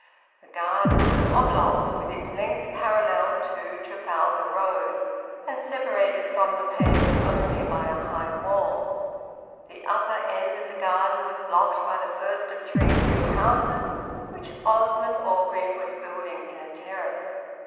The garden was oblong, with its length parallel to Trafalgar Road, and separated from the pavement only by a high wall. The upper end of the garden was blocked by the first of three new houses which Osmond Orgreave was building in a terrace.